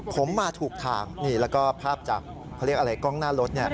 ผมมาถูกทางแล้วก็ภาพจากกล้องหน้ารถ